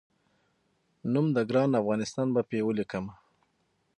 نوم د ګران افغانستان په ولیکمه